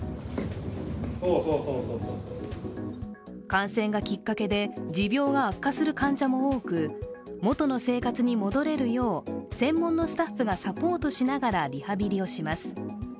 感染がきっかけで持病が悪化する患者も多く元の生活に戻れるよう専門のスタッフがサポートしながらリハビリをします。